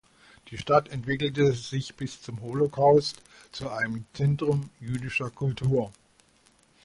Die Stadt entwickelte sich bis zum Holocaust zu einem Zentrum jüdischer Kultur.